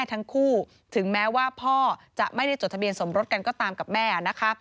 ถึงแม้ว่าพ่อจะไม่ได้จดทะเบียนสมรสกันก็ตามกับแม่